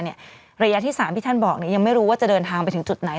ระยะที่๓ที่ท่านบอกยังไม่รู้ว่าจะเดินทางไปถึงจุดไหน